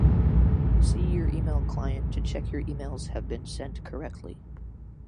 See your email client to check your emails have been sent correctly